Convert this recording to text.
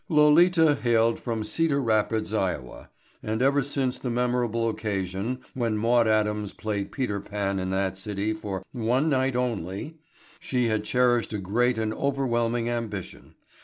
Lolita hailed from Cedar Rapids, Ia., and ever since the memorable occasion when Maude Adams played "Peter Pan" in that city for "one night only" she had cherished a great and overwhelming ambition.